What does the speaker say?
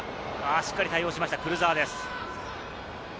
しっかり対応しました、クルザワです。